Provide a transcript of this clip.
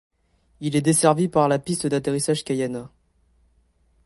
Il est desservi par la piste d'atterrissage Cayana.